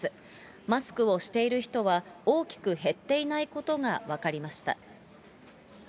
マスクをしている人は大きく減っていないことが分かりました。